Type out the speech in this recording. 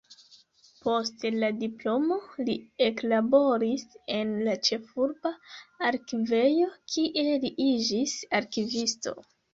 Post la diplomo li eklaboris en la ĉefurba arkivejo, kie li iĝis arkivisto.